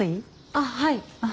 あっはい。